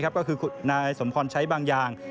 ก็คือนายสมพรใช้บางอย่าง